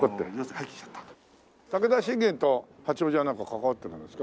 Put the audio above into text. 武田信玄と八王子はなんか関わってるんですか？